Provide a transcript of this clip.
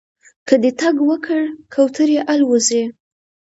که دې ټک وکړ کوترې الوځي